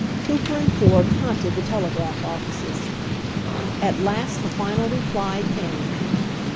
Cooper and Ford haunted the telegraph offices. At last the final reply came.